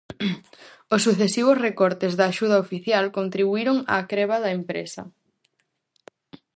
Os sucesivos recortes da axuda oficial contribuíron á creba da empresa.